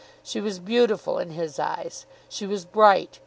She was beautiful in his eyes. She was bright.